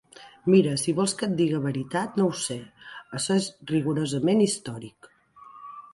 Mira, si vols que et diga veritat, no ho sé! Açò és rigorosament històric.